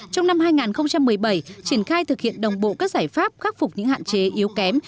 trong năm hai nghìn một mươi bảy triển khai thực hiện đồng bộ các giải pháp khắc phục những hạn chế yếu kém